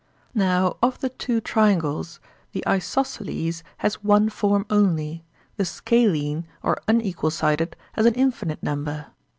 Now of the two triangles, the isosceles has one form only; the scalene or unequal sided has an infinite number.